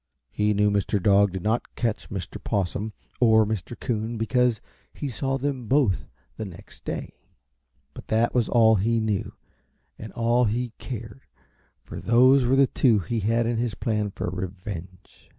He knew Mr. Dog did not catch Mr. Possum or Mr. Coon, because he saw them both the next day; but that was all he knew and all he cared, for those were the two he had in his plan for revenge.